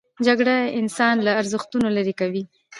جګړه انسان له ارزښتونو لیرې کوي